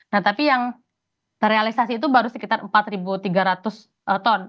nah tapi yang terrealisasi itu baru sekitar empat tiga ratus ton